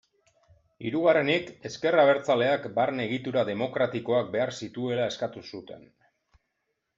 Hirugarrenik, ezker abertzaleak barne egitura demokratikoak behar zituela eskatu zuten.